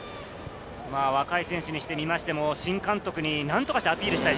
若い選手にしてみましても、新監督になんとかしてアピールしたい。